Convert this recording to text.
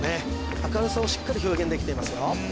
明るさをしっかり表現できていますよ